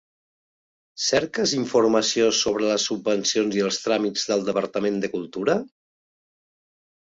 Cerques informació sobre les subvencions i els tràmits del Departament de Cultura?